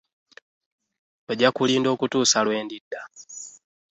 Ojja kulinda okutuusa lwe ndidda.